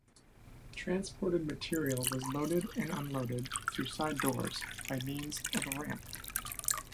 Transported material was loaded and unloaded through side doors by means of a ramp.